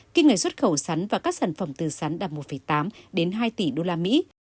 kim ngạch xuất khẩu sắn và các sản phẩm từ sắn đạt một tám hai tỷ usd